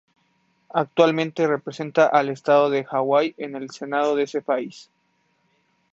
Actualmente representa al estado de Hawái en el Senado de ese país.